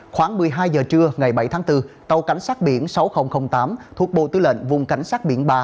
khoảng một mươi hai giờ trưa ngày bảy tháng bốn tàu cảnh sát biển sáu nghìn tám thuộc bộ tư lệnh vùng cảnh sát biển ba